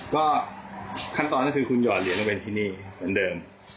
ก็ขั้นตอนนั้นคือคุณหยอดเรียนมาเป็นที่นี่เหมือนเดิม